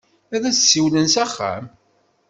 Ad as-d-siwlen s axxam.